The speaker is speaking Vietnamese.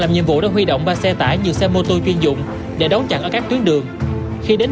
xe cứu thương có huy động ba xe tải như xe mô tô chuyên dụng để đóng chặn ở các tuyến đường khi đến